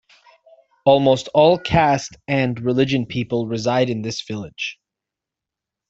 Almost all caste and religion people reside in this village.